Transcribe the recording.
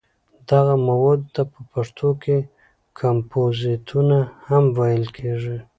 دغه موادو ته په پښتو کې کمپوزیتونه هم ویل کېږي.